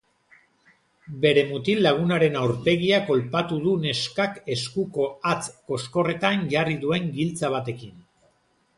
Bere mutil-lagunaren aurpegia kolpatu du neskak eskuko hatz-koskorretan jarri duen giltza batekin.